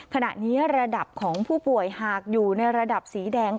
ขณะนี้ระดับของผู้ป่วยหากอยู่ในระดับสีแดง